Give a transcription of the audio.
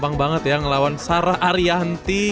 permainan yang kedua kita tertarik sama